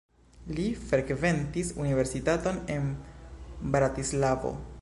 Li frekventis universitaton en Bratislavo.